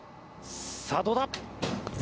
さあどうだ？